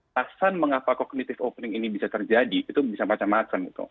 tasan mengapa kognitif opening ini bisa terjadi itu bisa macam macam